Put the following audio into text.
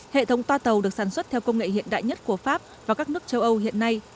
hệ thống toa tàu được sản xuất theo công nghệ hiện đại nhất của pháp và các nước châu âu hiện nay